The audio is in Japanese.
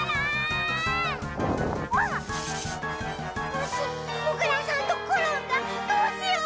もしモグラさんとコロンがどうしよう！